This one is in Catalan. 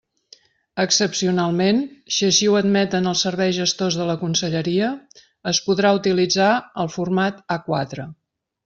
Excepcionalment, si així ho admeten els serveis gestors de la conselleria, es podrà utilitzar el format A quatre.